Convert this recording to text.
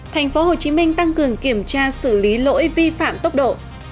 thành phố hồ chí minh tăng cường kiểm tra xử lý lỗi vi phạm tốc độ